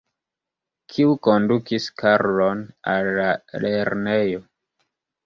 Kiu kondukis Karlon al la lernejo?